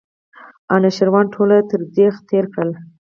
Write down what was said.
انوشیروان ټول تر تېغ تېر کړل.